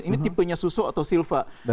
ini tipenya susu atau silva